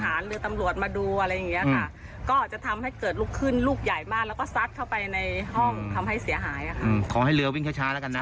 ขอให้เรือวิ่งช้าแล้วกันนะ